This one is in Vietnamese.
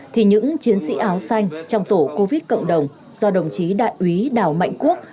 thì những chiến sĩ áo xanh trong tổ covid cộng đồng do đồng chí đại úy đào mạnh quốc